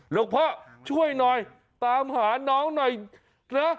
หลวงพ่อช่วยหน่อยตามหาน้องหน่อยนะ